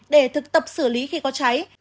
để thực tập xử lý khi có cháy